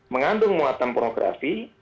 mengandung muatan pornografi